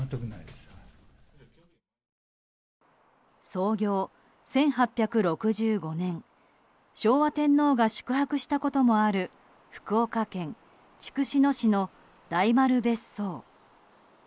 創業１８６５年昭和天皇が宿泊したこともある福岡県筑紫野市の大丸別荘。